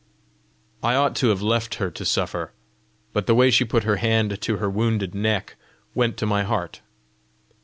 I ought to have left her to suffer, but the way she put her hand to her wounded neck went to my heart.